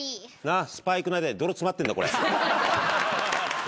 スパイクの間に泥詰まってんだ。